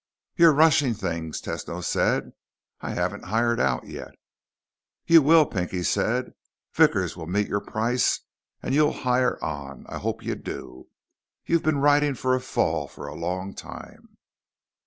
"You're rushing things," Tesno said. "I haven't hired out yet." "You will," Pinky said. "Vickers will meet your price and you'll hire on. I hope you do. You've been riding for a fall for a long time."